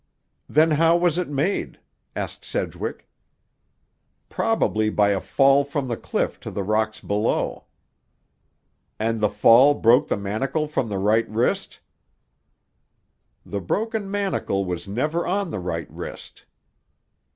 "Then how was it made?" asked Sedgwick. "Probably by a fall from the cliff to the rocks below." "And the fall broke the manacle from the right wrist?" "The broken manacle was never on the right wrist."